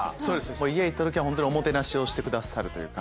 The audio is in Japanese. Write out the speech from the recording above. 家行った時はホントにおもてなしをしてくださるというか。